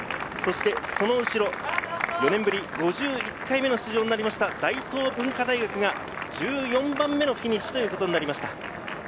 その後ろ、５１回目の出場になりました大東文化大学、１４番目のフィニッシュ。